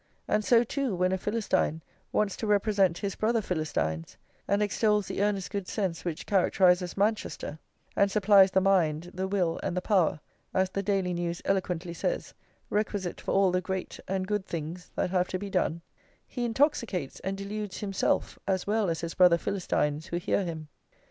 And so, too, when a Philistine wants to represent his brother Philistines, and extols the earnest good sense which characterises Manchester, and supplies the mind, the will, and the power, as the Daily News eloquently says, requisite for all the great and good things that have to be done, he intoxicates and deludes himself as well as his brother Philistines who hear him.